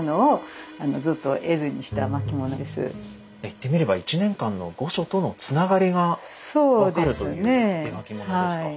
言ってみれば１年間の御所とのつながりが分かるという絵巻物ですか？